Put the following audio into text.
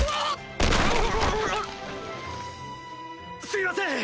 すみません！